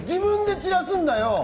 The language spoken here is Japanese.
自分でちらすんだよ。